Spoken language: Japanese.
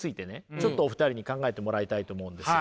ちょっとお二人に考えてもらいたいと思うんです。